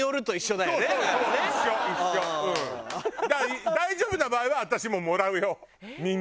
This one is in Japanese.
だから大丈夫な場合は私ももらうよ耳。